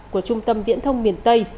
của trung tâm viễn thông miền tây